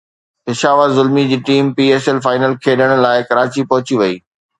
پشاور زلمي جي team P S L final کيڏڻ لاءِ ڪراچي پهچي وئي